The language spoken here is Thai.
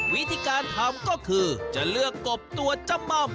วิธีการทำก็คือจะเลือกกบตัวจ้ำม่อม